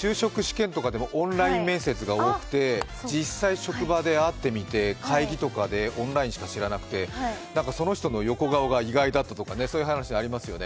就職試験とかでもオンライン面接とかが多くて実際、職場で会ってみて、会議とかで、オンラインしか知らなくてその人の横顔が意外だったとかそういう話、ありますよね。